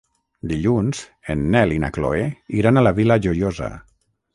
Dilluns en Nel i na Chloé iran a la Vila Joiosa.